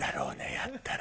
やったら。